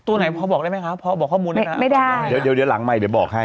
ตัวไหนพ่อบอกได้ไหมครับพ่อบอกข้อมูลให้ไหมนะไม่ได้เดี๋ยวหลังไมค์เดี๋ยวบอกให้